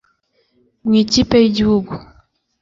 Mu ikipe y’Igihugu